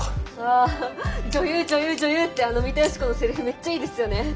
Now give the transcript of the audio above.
ああ「女優女優女優！」ってあの三田佳子のせりふめっちゃいいですよね。